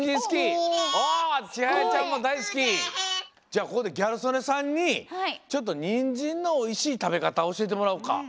じゃあここでギャル曽根さんにちょっとニンジンのおいしいたべかたおしえてもらおっか。